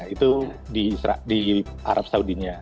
itu di arab saudinya